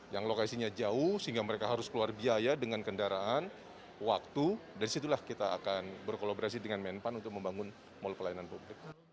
yang lokasinya jauh sehingga mereka harus keluar biaya dengan kendaraan waktu dan disitulah kita akan berkolaborasi dengan menpan untuk membangun mall pelayanan publik